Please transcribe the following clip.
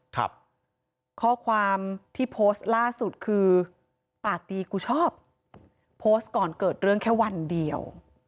ข้อความที่โพสต์ล่าสุดคือปากดีกูชอบโพสต์ก่อนเกิดเรื่องแค่วันเดียว